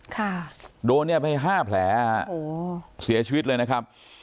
ค่ะโดนเนี่ยไปห้าแผลฮะโอ้โหเสียชีวิตเลยนะครับ